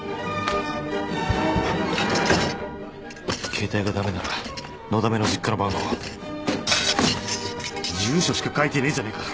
携帯がダメならのだめの実家の番号住所しか書いてねえじゃねえか。